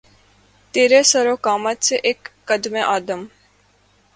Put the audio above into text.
تیرے سرو قامت سے، اک قّدِ آدم